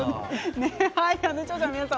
視聴者の皆さん